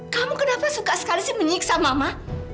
kamu kenapa suka sekali sih menyiksa mama